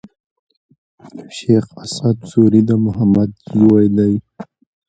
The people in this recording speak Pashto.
شېخ اسعد سوري د محمد زوی دﺉ.